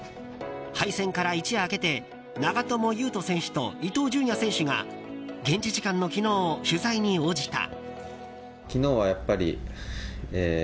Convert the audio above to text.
敗戦から一夜明けて長友佑都選手と伊東純也選手が現地時間の昨日取材に応じた。